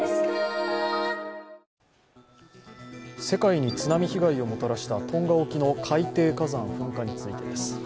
世界に津波被害をもたらしたトンガ沖の海底火山噴火についてです。